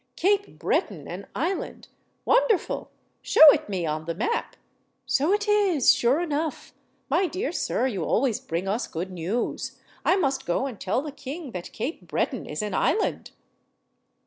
'Cape Breton an island! Wonderful! Show it me on the map. So it is, sure enough. My dear sir, you always bring us good news. I must go and tell the king that Cape Breton is an island.